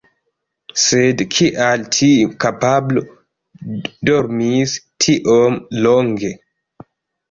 Sed kial tiu kapablo dormis tiom longe?